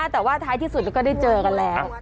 แต่ว่าท้ายที่สุดก็ได้เจอกันแล้ว